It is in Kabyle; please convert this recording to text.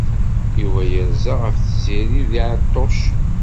Yuba yerza ɣef Tiziri deg Ɛeṭṭuc.